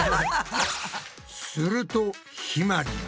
するとひまりが。